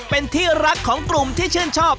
เป็นที่รักของกลุ่มที่ชื่นชอบ